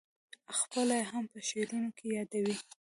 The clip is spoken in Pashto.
خپله یې هم په شعرونو کې یادوې.